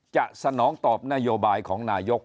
สนองตอบนโยบายของนายก